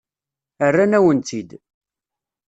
Rran-awen-tt-id.